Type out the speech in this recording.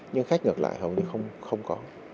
nhưng khách ngược lại hầu như không có